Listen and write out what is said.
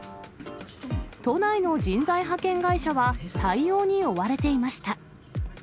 都内の人材派遣会社は、対応に追われていました。